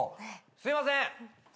すいませーん！